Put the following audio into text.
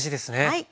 はい。